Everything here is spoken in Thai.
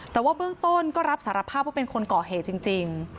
แต่ว่าเบื้องต้นก็รับสารภาพว่าเป็นคนก่อเหตุจริง